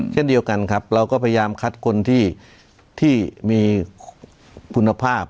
เช่นเดียวกันครับเราก็พยายามคัดคนที่มีคุณภาพ